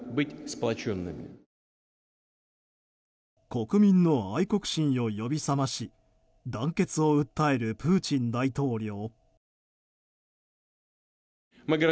国民の愛国心を呼び覚まし団結を訴えるプーチン大統領。